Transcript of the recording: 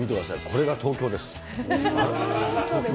これが東京です。